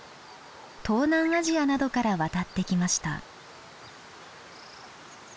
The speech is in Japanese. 東南アジアなどから渡ってきました。